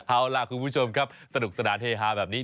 เอาล่ะคุณผู้ชมครับสนุกสนานเฮฮาแบบนี้